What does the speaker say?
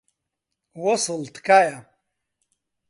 وەسڵ، تکایە.